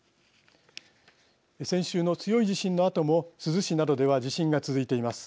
先週の強い地震のあとも珠洲市などでは地震が続いています。